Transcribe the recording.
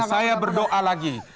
saya berdoa lagi